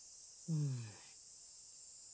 うん。